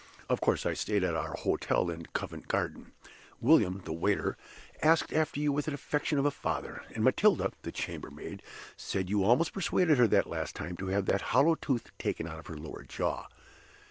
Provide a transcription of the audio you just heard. Of course I stayed at Our Hotel in Covent Garden. William, the waiter, asked after you with the affection of a father; and Matilda, the chamber maid, said you almost persuaded her that last time to have the hollow tooth taken out of her lower jaw.